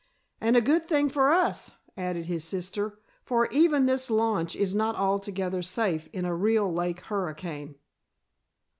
"And a good thing for us," added his sister, "for even this launch is not altogether safe in a real lake hurricane."